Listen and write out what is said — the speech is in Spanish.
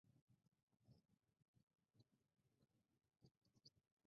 Arsenal logró finalmente clasificar a la fase de grupos.